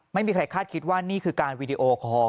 ไม่มีใครคาดคิดว่านี่คือการวีดีโอคอล